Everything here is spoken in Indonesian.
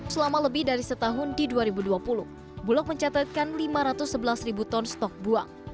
selama lebih dari setahun di dua ribu dua puluh bulog mencatatkan lima ratus sebelas ribu ton stok buang